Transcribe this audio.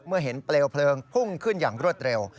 เมื่อเห็นเปลวเพลิงพุ่งขึ้นอย่างรวดเร็ว